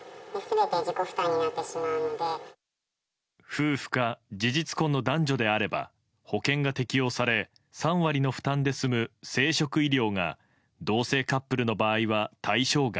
夫婦か、事実婚の男女であれば保険が適用され３割の負担で済む生殖医療が同性カップルの場合は対象外。